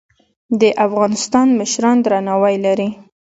د افغانستان مشران درناوی لري